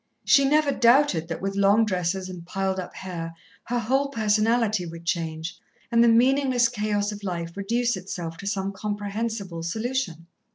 She never doubted that with long dresses and piled up hair, her whole personality would change, and the meaningless chaos of life reduce itself to some comprehensible solution.